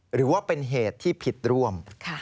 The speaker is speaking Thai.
หรือว่าเป็นเหตุที่ผิดร่วม